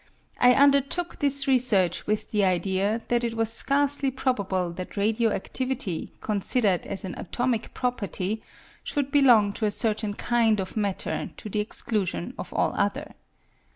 I undertook this research with the idea that it was scarcely probable that radio adivity, considered as an atomic property, should belong to a certain kind of matter to the exclusion of all other.